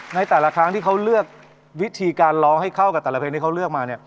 ในแต่ละครั้งที่เขาเลือกวิธีการร้องให้เข้ากับแต่ละเพลงที่เขาเลือกมา